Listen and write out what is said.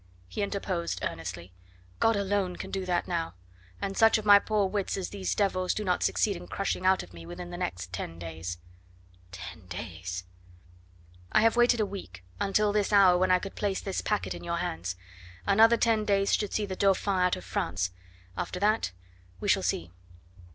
he interposed earnestly. "God alone can do that now, and such of my poor wits as these devils do not succeed in crushing out of me within the next ten days." Ten days! "I have waited a week, until this hour when I could place this packet in your hands; another ten days should see the Dauphin out of France after that, we shall see."